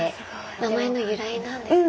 名前の由来なんですね。